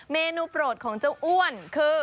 เมนูโปรดของเจ้าอ้วนคือ